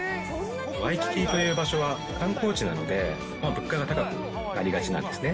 ワイキキという場所は観光地なので、物価が高くなりがちなんですね。